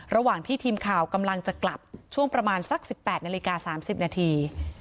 ระหว่างที่ทีมข่าวกำลังจะกลับช่วงประมาณสัก๑๘นาฬิกา๓๐นาที